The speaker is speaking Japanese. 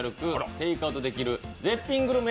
テイクアウトできる絶品グルメ